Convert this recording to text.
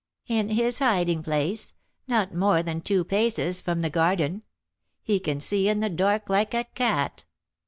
"In his hiding place, not more than two paces from the garden. He can see in the dark like a cat.